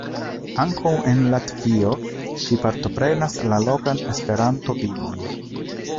Ankaŭ en Latvio ŝi partoprenas la lokan Esperanto-vivon.